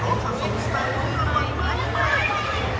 ขอขอบคุณสไตล์รุ่นรับวันมาก